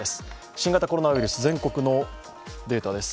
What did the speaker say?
新型コロナウイルス全国のデータです。